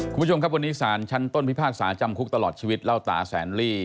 คุณผู้ชมครับวันนี้สารชั้นต้นพิพากษาจำคุกตลอดชีวิตเล่าตาแสนลี่